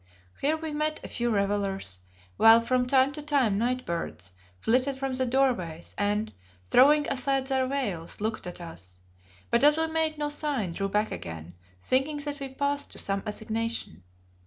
Here we met a few revellers, while from time to time night birds flitted from the doorways and, throwing aside their veils, looked at us, but as we made no sign drew back again, thinking that we passed to some assignation.